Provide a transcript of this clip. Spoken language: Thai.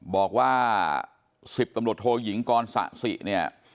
บอกว่า๑๐ตำรวจโทยิงกรสะสิเนี่ย